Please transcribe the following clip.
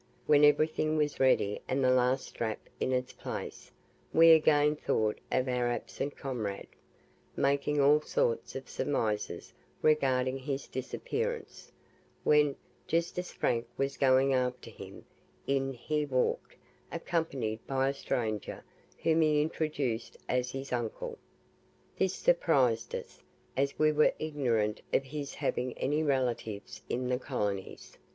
When everything was ready and the last strap in its place, we again thought of our absent comrade, making all sorts of surmises regarding his disappearance, when, just as Frank was going after him, in he walked, accompanied by a stranger whom he introduced as his uncle. This surprised us, as we were ignorant of his having any relatives in the colonies.